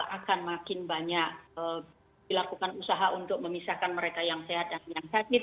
akan makin banyak dilakukan usaha untuk memisahkan mereka yang sehat dan yang sakit